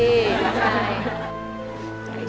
รับไห้